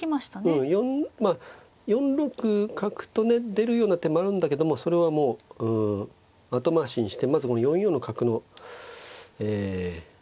うんまあ４六角とね出るような手もあるんだけどもそれはもう後回しにしてまず４四の角のえ